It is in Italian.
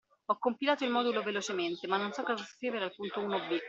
Ho compilato il modulo velocemente, ma non so cosa scrivere al punto uno b.